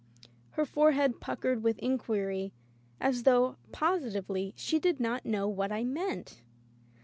Her forehead puckered with inquiry as though, positively, she did not know what I meant.